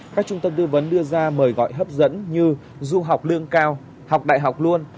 các trung tâm tư vấn đưa ra mời gọi hấp dẫn như du học lương cao học đại học luôn